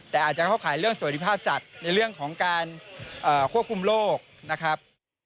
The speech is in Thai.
แต่อาจจะเข้าขายเรื่องสวัสดิภาพสัตว์ในเรื่องของการควบคุมโรคนะครับ